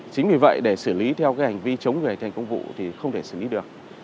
chính vì vậy để xử lý theo cái hành vi chống người thi hành công vụ thì không thể xử lý được